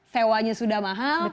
sewanya sudah mahal